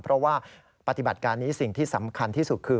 เพราะว่าปฏิบัติการนี้สิ่งที่สำคัญที่สุดคือ